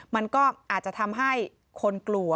มันก็อาจจะทำให้คนกลัว